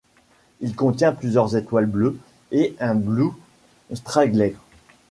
Il contient plusieurs étoiles bleues et un Blue straggler.